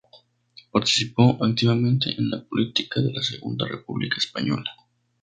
Participó activamente en la política de la Segunda República Española.